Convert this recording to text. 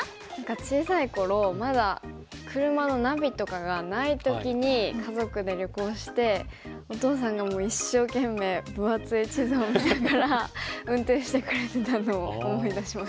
小さい頃まだ車のナビとかがない時に家族で旅行してお父さんが一生懸命分厚い地図を見ながら運転してくれてたのを思い出します。